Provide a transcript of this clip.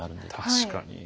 確かに。